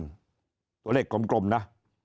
ตัวเลขกลมนะ